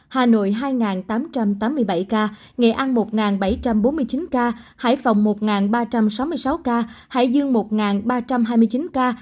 hà nội hai tám trăm tám mươi bảy ca nghệ an một bảy trăm bốn mươi chín ca hải phòng một ba trăm sáu mươi sáu ca hải dương một ba trăm hai mươi chín ca